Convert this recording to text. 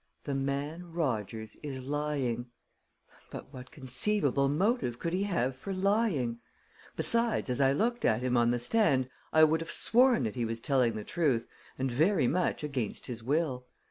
"The man Rogers is lying." But what conceivable motive could he have for lying? Besides, as I looked at him on the stand, I would have sworn that he was telling the truth, and very much against his will.